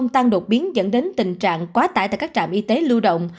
tăng đột biến dẫn đến tình trạng quá tải tại các trạm y tế lưu động